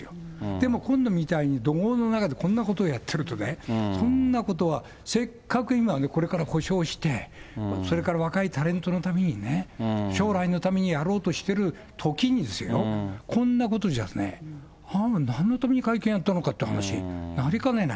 でも今度みたいに、怒号の中で、こんなことやってるとね、そんなことは、せっかく今、これから補償して、それから若いタレントのために、将来のためにやろうとしているときにですよ、こんなことじゃね、なんのために会見やったのかっていう話になりかねない。